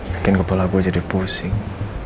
bikin kepala gue jadi pusing